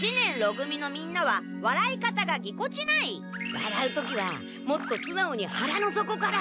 笑う時はもっとすなおにはらの底から！